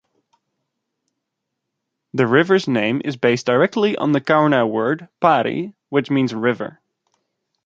The river's name is based directly on the Kaurna word "pari" which means river.